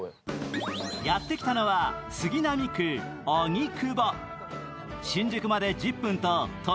やってきたのは杉並区荻窪。